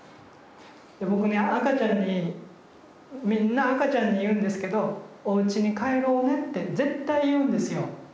僕ね赤ちゃんにみんな赤ちゃんに言うんですけどって絶対言うんですよ。